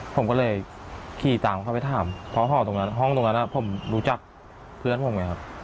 ผมก็เลยขี่ตามเข้าไปถามเพราะหอตรงนั้นห้องตรงนั้นผมรู้จักเพื่อนผมไงครับ